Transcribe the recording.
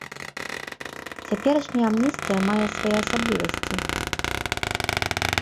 Цяперашняя амністыя мае свае асаблівасці.